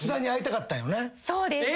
そうです。